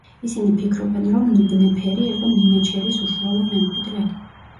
ისინი ფიქრობენ, რომ ნუბნეფერი იყო ნინეჩერის უშუალო მემკვიდრე.